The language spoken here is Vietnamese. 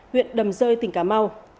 huyện đầm rơi tỉnh cà mau